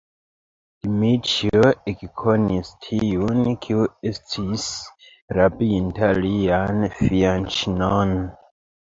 Dmiĉjo ekkonis tiun, kiu estis rabinta lian fianĉinon.